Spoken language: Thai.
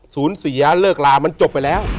สูญเสียเลิกลามันจบไปแล้ว